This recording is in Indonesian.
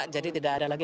jadi tidak ada lagi